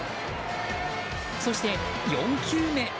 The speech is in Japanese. そして、４球目。